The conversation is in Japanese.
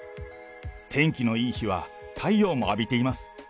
天気のいい日は太陽も浴びています。